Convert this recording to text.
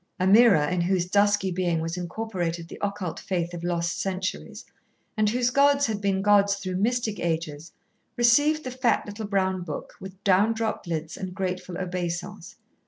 Ameerah, in whose dusky being was incorporated the occult faith of lost centuries, and whose gods had been gods through mystic ages, received the fat, little brown book with down dropped lids and grateful obeisance.